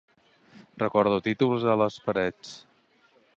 Recordo títols a les parets.